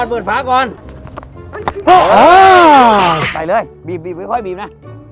ไปเลยบีบไม่ค่อยบีบนะ